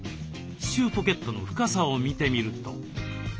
歯周ポケットの深さを見てみると。